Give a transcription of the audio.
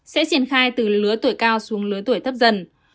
sẽ triển khai từ lứa tuổi cao xuống lứa tuổi thấp dần